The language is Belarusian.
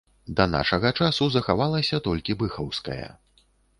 Да нашага часу захавалася толькі быхаўская.